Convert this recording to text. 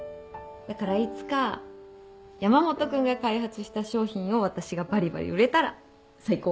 だからいつか山本君が開発した商品を私がばりばり売れたら最高。